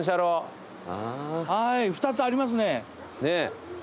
はい２つありますね。ねぇ。